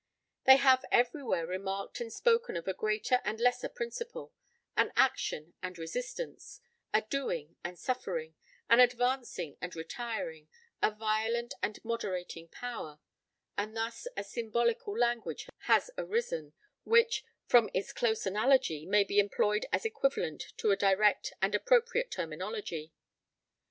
They have everywhere remarked and spoken of a greater and lesser principle, an action and resistance, a doing and suffering, an advancing and retiring, a violent and moderating power; and thus a symbolical language has arisen, which, from its close analogy, may be employed as equivalent to a direct and appropriate terminology.